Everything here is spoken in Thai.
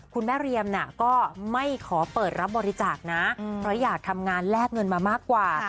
เรียมก็ไม่ขอเปิดรับบริจาคนะเพราะอยากทำงานแลกเงินมามากกว่า